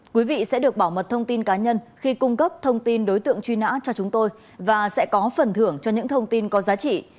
quý vị sẽ được bảo mật thông tin cá nhân khi cung cấp thông tin đối tượng truy nã cho chúng tôi và sẽ có phần thưởng cho những thông tin có giá trị